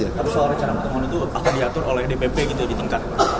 tapi soal wacana pertemuan itu apa diatur oleh dpp gitu ditengkar